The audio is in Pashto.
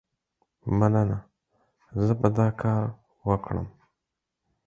مننه، زه به دا کار وکړم.